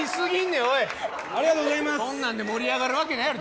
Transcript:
そんなんで盛り上がるわけないやろ。